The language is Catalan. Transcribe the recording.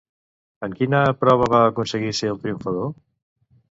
En quina prova va aconseguir ser el triomfador?